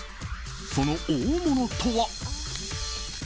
その大物とは。